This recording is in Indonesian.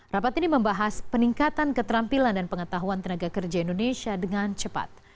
rapat ini membahas peningkatan keterampilan dan pengetahuan tenaga kerja indonesia dengan cepat